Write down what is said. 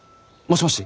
もしもし！